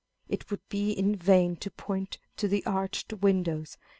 It would be in vain to point to the arched windows.